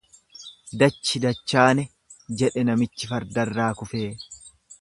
Dachi dachaane jedhe namichi fardarraa kufee.